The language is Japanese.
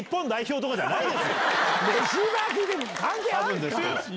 レシーバーって聞いて関係あるんすか？